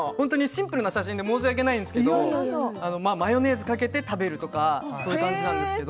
シンプルな写真で申し訳ないんですけれどマヨネーズをかけて食べています。